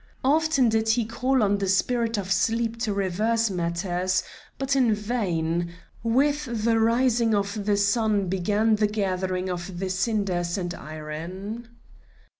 Often did he call on the spirit of sleep to reverse matters, but in vain; with the rising of the sun began the gathering of the cinders and iron.